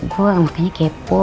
gue makanya kepo